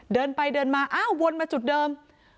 เดินไปเดินมาอ้าววนมาจุดเดิม